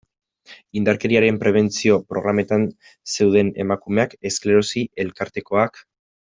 Indarkeriaren prebentzio programetan zeuden emakumeak, esklerosi elkartekoak...